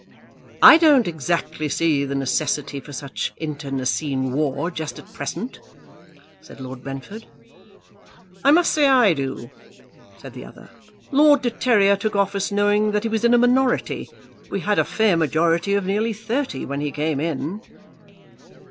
"I don't exactly see the necessity for such internecine war just at present," said Lord Brentford. "I must say I do," said the other. "Lord de Terrier took office knowing that he was in a minority. We had a fair majority of nearly thirty when he came in."